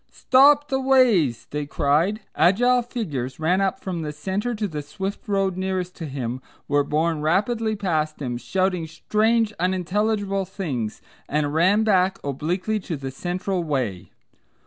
"Stop the Ways," they cried. Agile figures ran up from the centre to the swift road nearest to him, were borne rapidly past him, shouting strange, unintelligible things, and ran back obliquely to the central way.